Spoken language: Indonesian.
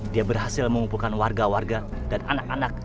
dia berhasil mengumpulkan warga warga dan anak anak